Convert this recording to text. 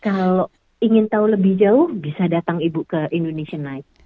kalau ingin tahu lebih jauh bisa datang ibu ke indonesia night